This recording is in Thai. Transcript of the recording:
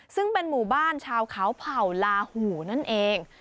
ซึ่งเป็นหมู่บ้านชาวเขาเผ่าลาหูนั่นเอง